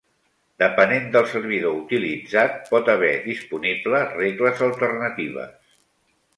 Depenent del servidor utilitzat, pot haver disponible regles alternatives.